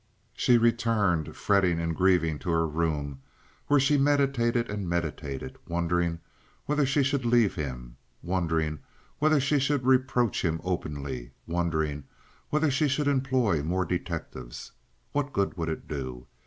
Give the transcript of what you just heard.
She returned, fretting and grieving, to her room, where she meditated and meditated, wondering whether she should leave him, wondering whether she should reproach him openly, wondering whether she should employ more detectives. What good would it do?